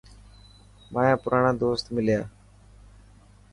مايا پراڻا دوست مليا.